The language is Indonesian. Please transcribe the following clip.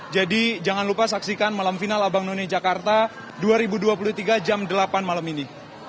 jadi jangan lupa saksikan malam final abang none jakarta dua ribu dua puluh tiga jam delapan malam ini